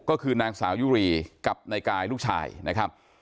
ก็คือนางสาวยุรีกับนายกายลูกชายนะครับ